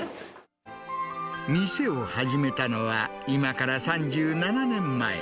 店を始めたのは今から３７年前。